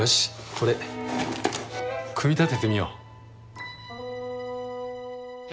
これ組み立ててみよう。